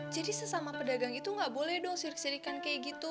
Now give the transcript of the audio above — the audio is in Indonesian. jadi sesama pedagang itu gak boleh dong sirik sirikan kayak gitu